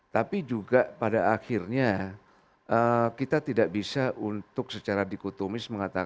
tapi juga pada akhirnya kita tidak bisa untuk secara dikotomis mengatakan